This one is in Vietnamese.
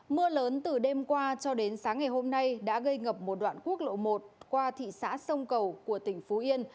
mưa lớn từ đêm qua cho đến sáng ngày hôm nay đã gây ngập một đoạn quốc lộ một qua thị xã sông cầu của tỉnh phú yên